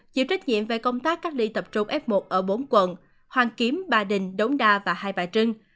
chịu trách nhiệm về công tác cách ly tập trung f một ở bốn quận hoàn kiếm ba đình đống đa và hai bà trưng